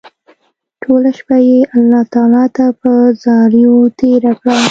ټوله شپه يې الله تعالی ته په زاريو تېره کړه